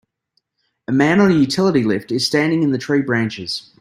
A man on a utility lift is standing in the tree branches.